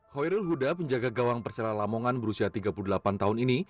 hoirul huda penjaga gawang persela lamongan berusia tiga puluh delapan tahun ini